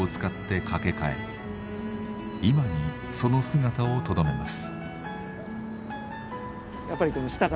今にその姿をとどめます。